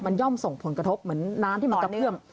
มันย่อมส่งผลกระทบเหมือนน้ำที่มันกระเพื่อม